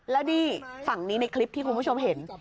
แล้วนี่ฝั่งนี้ในคลิปที่คุณผู้ชมเห็น